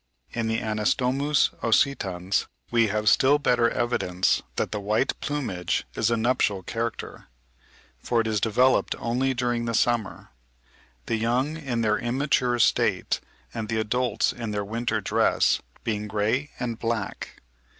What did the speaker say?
In the Anastomus oscitans, we have still better evidence that the white plumage is a nuptial character, for it is developed only during the summer; the young in their immature state, and the adults in their winter dress, being grey and black.